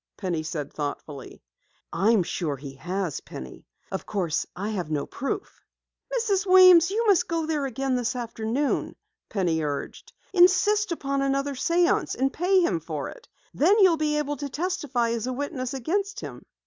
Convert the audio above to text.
Penny said thoughtfully. "I am sure he has, Penny. Of course I have no proof." "Mrs. Weems, you must go there again this afternoon," Penny urged. "Insist upon another séance, and pay him for it! Then you'll be able to testify as a witness against him!"